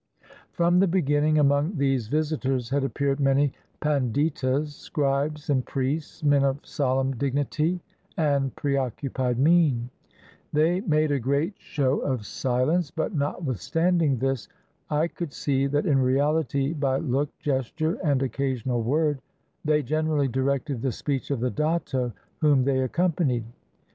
From the beginning, among these visitors had ap peared many panditas, scribes and priests, men of solemn dignity and preoccupied mien. They made a great show 549 ISLANDS OF THE PACIFIC of silence; but, notwithstanding this, I could see that in reality, by look, gesture, and occasional word, they generally directed the speech of the datto whom they accompanied.